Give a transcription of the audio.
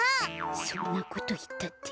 そんなこといったって。